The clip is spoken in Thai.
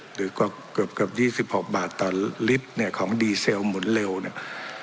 หรือก็เกือบเกือบยี่สิบหกบาทต่อลิฟต์เนี้ยของดีเซลหมุนเร็วเนี้ย